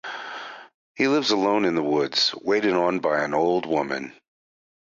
He lives alone in the woods, waited on by an old woman.